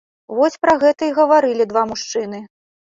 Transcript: Вось пра гэта і гаварылі два мужчыны.